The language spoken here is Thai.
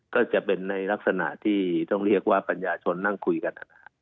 ก็จะเป็นในลักษณะที่ต้องเรียกว่าปัญญาชนนั่งคุยกัน